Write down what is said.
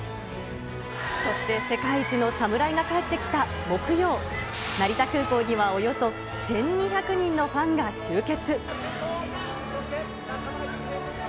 そして世界一の侍が帰ってきた木曜、成田空港にはおよそ１２００人のファンが集結。